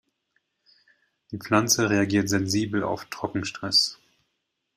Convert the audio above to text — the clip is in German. Die Pflanze reagiert sensibel auf Trockenstress.